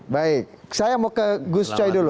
baik saya mau ke gus coy dulu